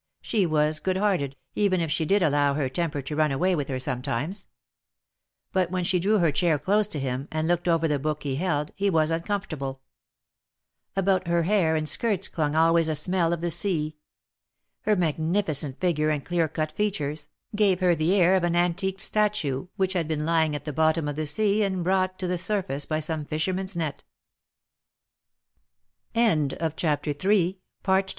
She was good hearted, even if she did allow her temper to run away with her sometimes. But when she drew her chair close to him, and looked over the book he held, he was uncomfortable. About her hair and skirts clung always a smell of the sea; her magnificent figure and clear cut features, gave her the air of an antique statue which had been lying at the bottom of the sea and broug